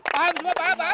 paham semua paham paham